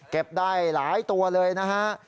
ได้หลายตัวเลยนะฮะ